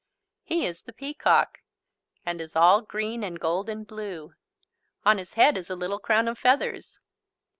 He is the peacock and is all green and gold and blue. On his head is a little crown of feathers.